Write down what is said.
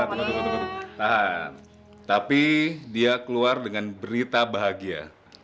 tahan tapi dia keluar dengan berita bahagia